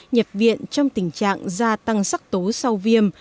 nhập viện trong tình trạng gia tăng sắc tố sau viêm